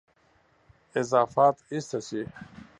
اضافات ایسته شي.